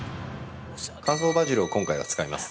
◆乾燥バジルを今回は使います。